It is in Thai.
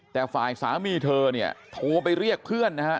แต่ฝ่ายสามีเธอเนี่ยโทรไปเรียกเพื่อนนะฮะ